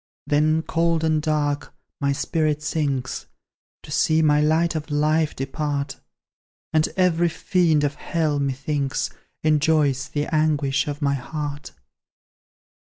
Then, cold and dark, my spirit sinks, To see my light of life depart; And every fiend of Hell, methinks, Enjoys the anguish of my heart.